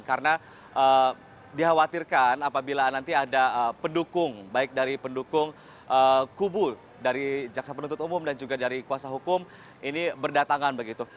karena dikhawatirkan apabila nanti ada pendukung baik dari pendukung kubur dari jaksa penuntut umum dan juga dari kuasa hukum ini berdatangan begitu